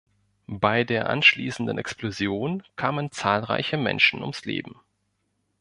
Bei der anschließenden Explosion kamen zahlreiche Menschen ums Leben.